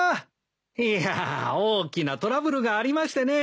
いや大きなトラブルがありましてね。